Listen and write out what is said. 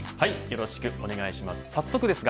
よろしくお願いします。